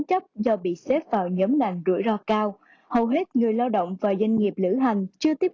chấp do bị xếp vào nhóm làm rủi ro cao hầu hết người lao động và doanh nghiệp lữ hành chưa tiếp